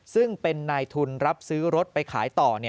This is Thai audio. ซึ่งเป็นนายทุนรับซื้อรถไปขายต่อ